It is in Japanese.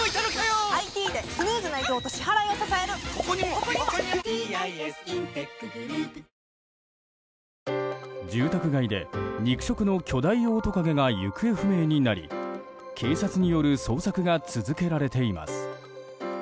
巨大トカゲが住宅街で逃げ出し住宅街で肉食の巨大オオトカゲが行方不明になり警察による捜索が続けられています。